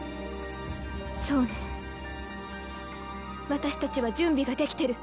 私たちは準備が出来てる。